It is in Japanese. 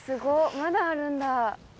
まだあるんだ。